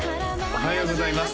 おはようございます